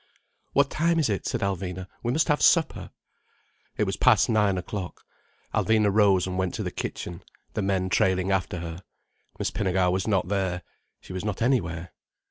"What time is it?" said Alvina. "We must have supper." It was past nine o'clock. Alvina rose and went to the kitchen, the men trailing after her. Miss Pinnegar was not there. She was not anywhere.